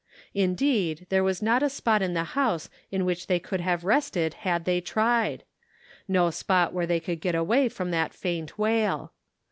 Indeed, there was not a spot in the house in which they could have rested had they tried ; no spot where they could get away from that faint wail.